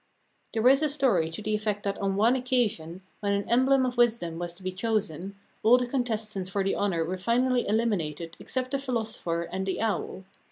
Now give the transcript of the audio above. There is a story to the effect that on one occasion, when an emblem of wisdom was to be chosen, all the contestants for the honor were finally eliminated except the Philosopher and the Owl.